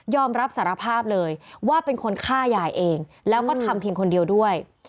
อมรับสารภาพเลยว่าเป็นคนฆ่ายายเองแล้วก็ทำเพียงคนเดียวด้วย